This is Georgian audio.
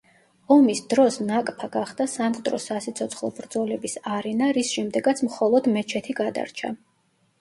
ომის დროს ნაკფა გახდა სამკვდრო-სასიცოცხლო ბრძოლების არენა, რის შემდეგაც მხოლოდ მეჩეთი გადარჩა.